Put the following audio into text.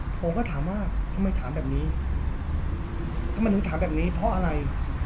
ผมก็ถามว่าทำไมถามแบบนี้ทำไมหนูถามแบบนี้เพราะอะไร